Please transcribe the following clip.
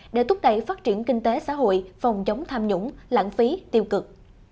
để thúc đẩy phát triển kinh tế xã hội phòng chống tham nhũng lãng phí tiêu cực